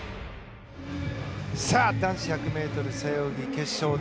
男子１００ｍ背泳ぎ決勝。